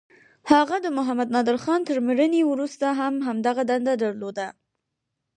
هغه د محمد نادرخان تر مړینې وروسته هم همدغه دنده درلوده.